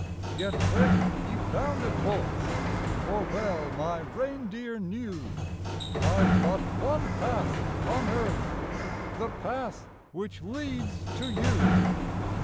Yet quick he bounded forth; For well my reindeer knew I've but one path on earth The path which leads to you.